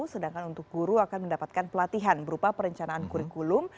sedangkan untuk guru akan mendapatkan pelatihan berupa perencanaan kurikulum